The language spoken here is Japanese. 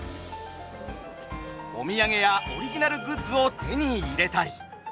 お土産やオリジナルグッズを手に入れたり。